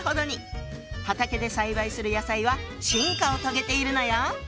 畑で栽培する野菜は進化を遂げているのよ！